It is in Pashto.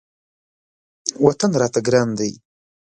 وطن راته ګران دی.